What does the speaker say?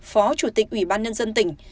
phó chủ tịch ủy ban nhân dân tỉnh